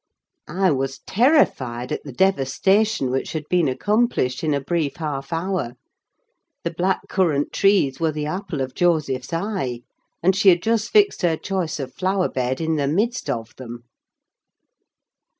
I was terrified at the devastation which had been accomplished in a brief half hour; the black currant trees were the apple of Joseph's eye, and she had just fixed her choice of a flower bed in the midst of them.